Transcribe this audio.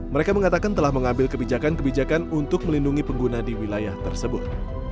mereka mengatakan telah mengambil kebijakan kebijakan untuk melindungi pengguna di wilayah tersebut